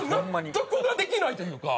納得ができないというか。